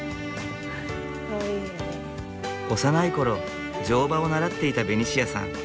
幼い頃乗馬を習っていたベニシアさん。